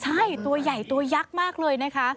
ใช่ตัวใหญ่ตัวยักษ์มากเลยนะคะ